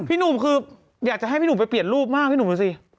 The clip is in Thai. หนุ่มคืออยากจะให้พี่หนุ่มไปเปลี่ยนรูปมากพี่หนุ่มดูสิ